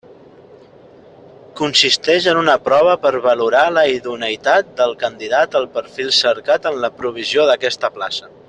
Consisteix en una prova per valorar la idoneïtat del candidat al perfil cercat en la provisió d'aquesta plaça.